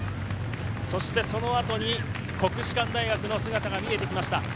そしてその後に国士舘大学の姿が見えてきました。